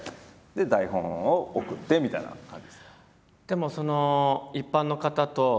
で台本を送ってみたいな感じですね。